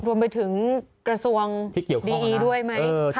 รวมไปถึงกระทรวงดีอีด้วยไหม